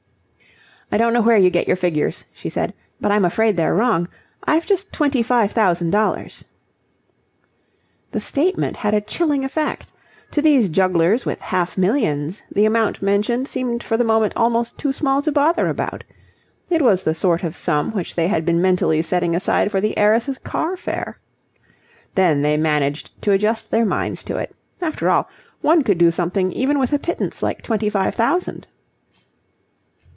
"I don't know where you get your figures," she said, "but I'm afraid they're wrong. I've just twenty five thousand dollars." The statement had a chilling effect. To these jugglers with half millions the amount mentioned seemed for the moment almost too small to bother about. It was the sort of sum which they had been mentally setting aside for the heiress's car fare. Then they managed to adjust their minds to it. After all, one could do something even with a pittance like twenty five thousand.